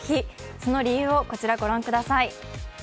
その理由をこちら御覧ください。